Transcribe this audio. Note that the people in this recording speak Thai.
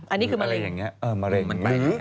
อันนี้คือมะเร็งมะเร็งหรือ